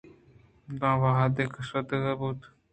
داں وھدیکہ شدیگ بُوت